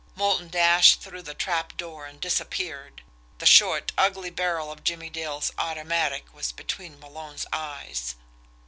Moulton dashed through the trapdoor and disappeared. The short, ugly barrel of Jimmie Dale's automatic was between Malone's eyes.